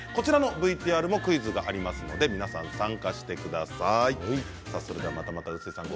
こちらのＶＴＲもクイズがありますので皆さん参加してください。